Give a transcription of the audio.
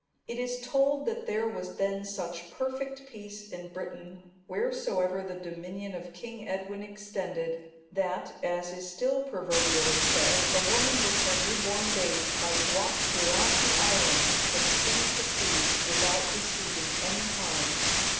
It is told that there was then such perfect peace in Britain, wheresoever the dominion of King Edwin extended, that, as is still proverbially said, a woman with her new born babe might walk throughout the island, from sea to sea, without receiving any harm.